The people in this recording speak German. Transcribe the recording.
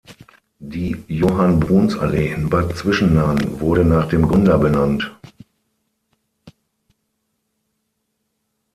Die Johann-Bruns-Allee in Bad Zwischenahn wurde nach dem Gründer benannt.